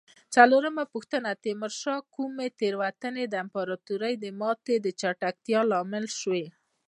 څلورمه پوښتنه: د تیمورشاه کومې تېروتنه د امپراتورۍ د ماتې د چټکتیا لامل شوې؟